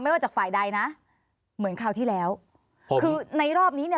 ว่าจากฝ่ายใดนะเหมือนคราวที่แล้วคือในรอบนี้เนี่ย